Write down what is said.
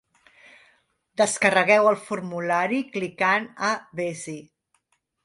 Descarregueu el formulari clicant a "Ves-hi".